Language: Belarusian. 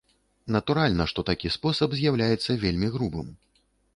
Натуральна, што такі спосаб з'яўляецца вельмі грубым.